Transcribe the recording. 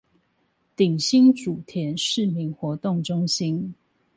頂新祖田市民活動中心